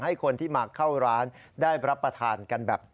ให้คนที่มาเข้าร้านได้รับประทานกันแบบ